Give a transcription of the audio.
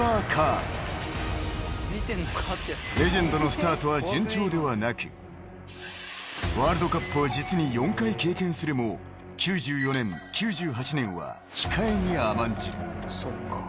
［レジェンドのスタートは順調ではなくワールドカップを実に４回経験するも９４年９８年は控えに甘んじる］